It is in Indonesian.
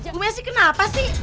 bu messi kenapa sih